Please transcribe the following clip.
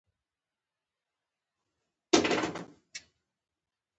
هره برخه د زده کړې د بشپړتیا لپاره مهمه وه.